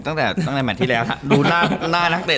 ตั้งแต่แมทที่แล้วดูหน้านักเดช